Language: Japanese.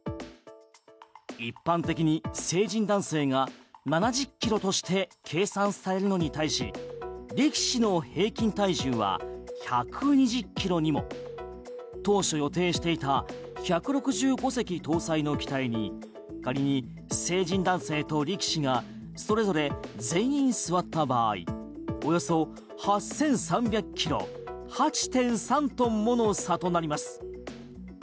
一般的に成人男性が７０ｋｇとして計算されるのに対し力士の平均体重は１２０ｋｇにも。当初、予定していた１６５席搭載の機体に仮に成人男性と力士がそれぞれ全員座った場合およそ８３００ｋｇ８．３トンもの差となります。